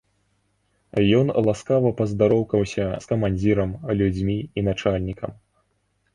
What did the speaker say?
Ён ласкава паздароўкаўся з камандзірам, людзьмі і начальнікам.